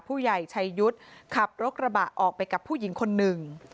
ผู้ใหญ่ชัยยุทธ์ขับรถกระบะออกไปกับผู้หญิงคนหนึ่ง